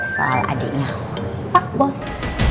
soal adiknya pak bos